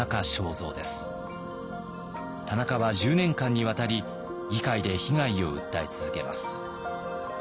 田中は１０年間にわたり議会で被害を訴え続けます。